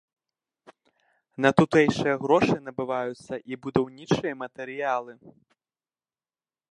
На тутэйшыя грошы набываюцца і будаўнічыя матэрыялы.